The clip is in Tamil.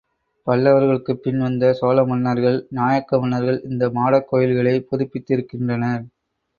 பல்லவர்களுக்குப் பின் வந்த சோழ மன்னர்கள், நாயக்க மன்னர்கள், இந்த மாடக் கோயில்களைப் புதுப்பித்திருக்கின்றனர்.